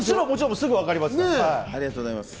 すぐわかります。